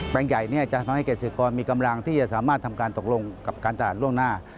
ใหญ่จะทำให้เกษตรกรมีกำลังที่จะสามารถทำการตกลงกับการตลาดล่วงหน้า